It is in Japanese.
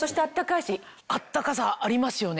あったかさありますよね？